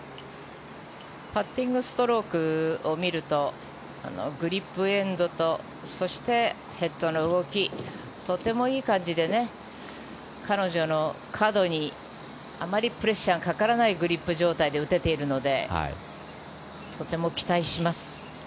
パッティングストロークを見るとグリップエンドとそして、ヘッドの動きとてもいい感じで彼女の角にあまりプレッシャーがかからない状態でグリップ状態で打てているのでとても期待します。